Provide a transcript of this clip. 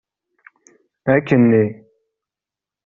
Akkenni!